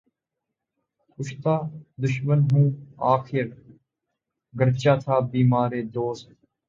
کُشتۂ دشمن ہوں آخر، گرچہ تھا بیمارِ دوست